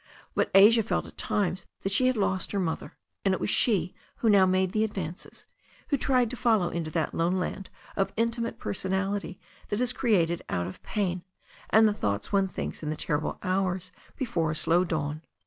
But Asia felt at times that she had lost her mother, and it was she, who now made the advances, who tried to follow into that lone land of intimate personality that is created out of pain and the thoughts one thinks in the terrible hours before a slow dawn.